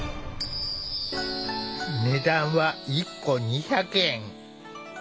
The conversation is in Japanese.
値段は１個２００円。